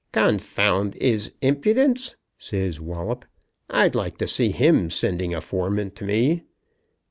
"Confound 'is impudence," says Wallop; "I'd like to see him sending a foreman to me.